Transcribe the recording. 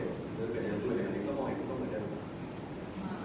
หรือเป็นอย่างค่อยแบบนี้ก็บอกให้พวกมันเป็นแบบนี้